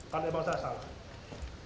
kalau emang saya salah